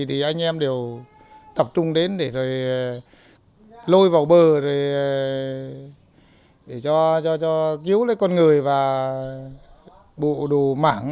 thì anh em đều tập trung đến để rồi lôi vào bờ rồi để cho cứu lấy con người và bộ đồ mảng